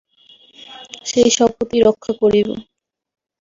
সেই শপথই রক্ষা করিব।